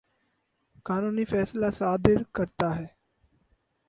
قانونی فیصلہ صادر کرتا ہے